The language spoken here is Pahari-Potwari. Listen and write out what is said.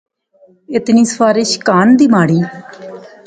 کہ اتنی سفارش کھان دی مہاڑی؟